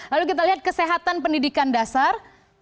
lalu kita lihat kesehatan pendidikan dasar